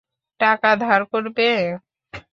টাকা ধার করবে?